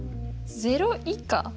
０以下？